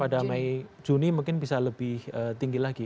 pada mei juni mungkin bisa lebih tinggi lagi